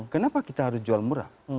kenapa kita harus jual murah